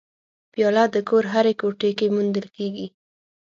پیاله د کور هرې کوټې کې موندل کېږي.